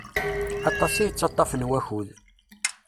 Aṭas i yettaṭaf n wakud.